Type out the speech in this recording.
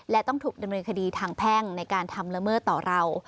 และต้องถูกดำเนินคดีทางแพ่งในการทำละเมิดต่อเรา